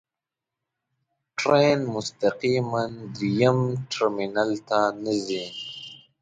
ټرین مستقیماً درېیم ټرمینل ته نه ځي.